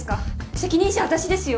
責任者は私ですよ。